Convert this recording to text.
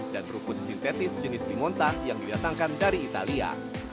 dan rumput sintetis jenis limonta yang dilatangkan dari italia